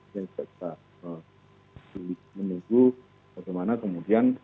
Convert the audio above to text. yang kita menunggu bagaimana kemudian